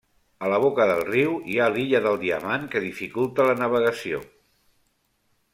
A la boca del riu hi ha l'illa del Diamant que dificulta la navegació.